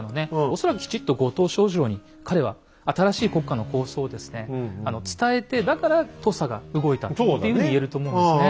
恐らくきちっと後藤象二郎に彼は新しい国家の構想をですね伝えてだから土佐が動いたっていうふうに言えると思うんですね。